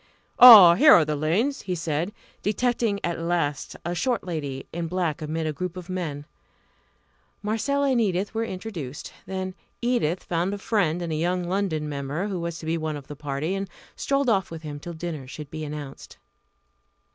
"Ah, here are the Lanes!" he said, detecting at last a short lady in black amid a group of men. Marcella and Edith were introduced. Then Edith found a friend in a young London member who was to be one of the party, and strolled off with him till dinner should be announced.